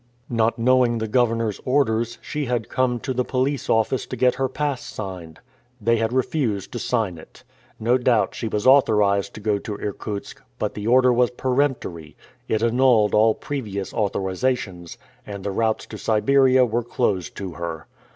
Not knowing the governor's orders, she had come to the police office to get her pass signed. They had refused to sign it. No doubt she was authorized to go to Irkutsk, but the order was peremptory it annulled all previous au thorizations, and the routes to Siberia were closed to her.